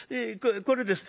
これです。